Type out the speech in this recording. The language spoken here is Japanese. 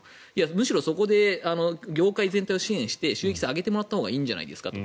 むしろそこで業界全体を支援して支援して収益性を上げてもらったほうがいいんじゃないかと。